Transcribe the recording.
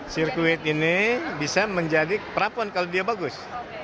sirkuit ini bisa menjadi prapon kalau dia bagus